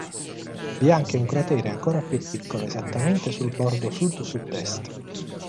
Vi è anche un cratere ancora più piccolo esattamente sul bordo sud-sud-est.